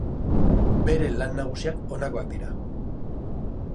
Bere lan nagusiak honakoak dira.